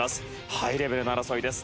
ハイレベルな争いです。